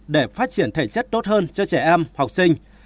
để phát triển thể chất tốt hơn cho trẻ em học sinh